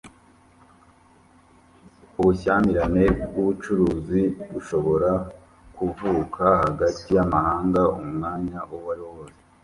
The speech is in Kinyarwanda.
Ubushyamirane bwubucuruzi bushobora kuvuka hagati yamahanga umwanya uwariwo wose